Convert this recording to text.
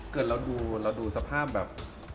เกิดเราดูสภาพแบบ